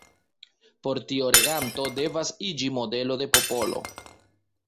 Por tio reganto devas iĝi modelo de popolo.